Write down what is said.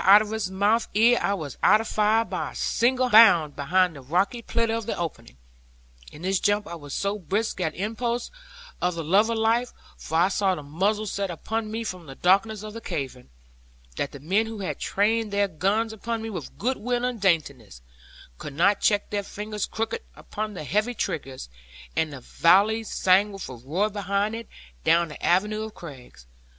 out of his mouth ere I was out of fire, by a single bound behind the rocky pillar of the opening. In this jump I was so brisk, at impulse of the love of life (for I saw the muzzles set upon me from the darkness of the cavern), that the men who had trained their guns upon me with goodwill and daintiness, could not check their fingers crooked upon the heavy triggers; and the volley sang with a roar behind it, down the avenue of crags.